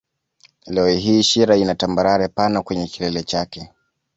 Leo hii Shira ina tambarare pana kwenye kilele chake